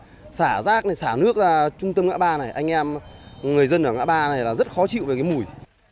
rồi xả rác này xả nước ra trung tâm ngã ba này anh em người dân ở ngã ba này là rất khó chịu về cái mùi